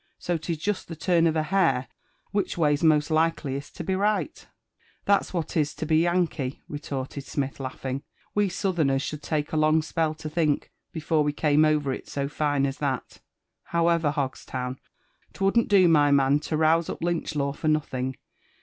So 'tis jest the turn of a hair whiph way's most likeliest to be right." '* Thai's what 'tis to be Yankee," retorted Smith, laughing. We Southerners should take a long spell to think, before we came over it so fine as that. However, Hogstown. 'twouldn't do, my man, to rouse up Lynch law for nothing.